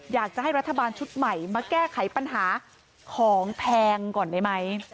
อยากจะให้รัฐบาลชุดใหม่มาแก้ไขปัญหาของแพงก่อนได้ไหม